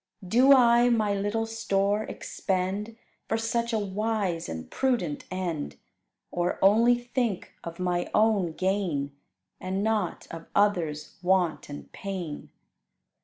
Do I my little store expend For such a wise and prudent end; Or only think of my own gain, And not of others' want and pain?